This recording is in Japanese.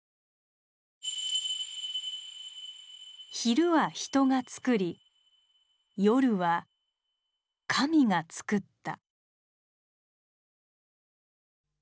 「昼は人がつくり夜は神がつくった」。